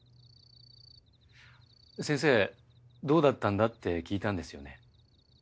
先生どうだったんだって聞いたんですよね。